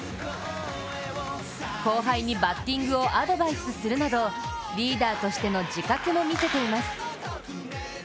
後輩にバッティングをアドバイスするなどリーダーとしての自覚も見せています。